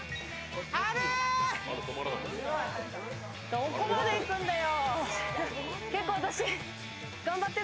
どこまでいくんだよ。